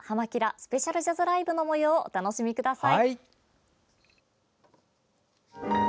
スペシャルジャズライブのもようをお楽しみください。